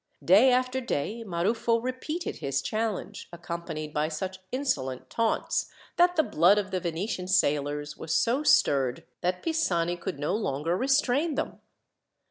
Day after day Maruffo repeated his challenge, accompanied by such insolent taunts that the blood of the Venetian sailors was so stirred that Pisani could no longer restrain them.